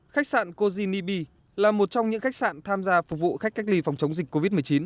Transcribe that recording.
khách sạn cozini b là một trong những khách sạn tham gia phục vụ khách cách ly phòng chống dịch covid một mươi chín